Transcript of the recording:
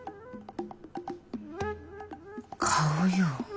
顔よ。